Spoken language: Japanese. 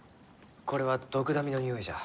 これはドクダミのにおいじゃ。